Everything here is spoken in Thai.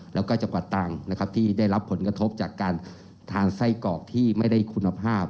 แล้วก็จังหวัดตรังนะครับที่ได้รับผลกระทบจากการทานไส้กรอกที่ไม่ได้คุณภาพ